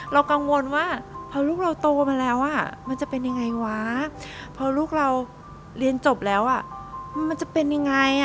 เรากังวลว่าพอลูกเราโตมาแล้วมันจะเป็นยังไงวะพอลูกเราเรียนจบแล้วมันจะเป็นยังไง